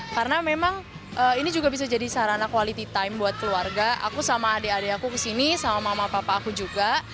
karena memang ini juga bisa jadi sarana quality time buat keluarga aku sama adik adik aku kesini sama mama papa aku juga